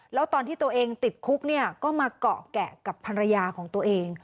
แล้วตอนที่ตัวเองติดคุกเนี่ยก็มาเกาะแกะกับภรรยาของตัวเอง